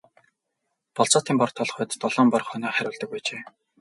Болзоотын бор толгойд долоон бор хонио хариулдаг байжээ.